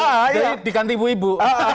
jadi dikanti ibu ibu